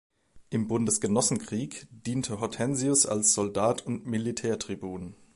Im Bundesgenossenkrieg diente Hortensius als Soldat und Militärtribun.